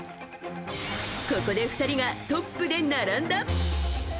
ここで２人がトップで並んだ。